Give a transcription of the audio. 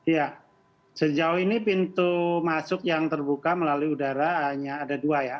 ya sejauh ini pintu masuk yang terbuka melalui udara hanya ada dua ya